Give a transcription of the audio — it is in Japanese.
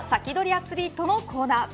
アツリートのコーナー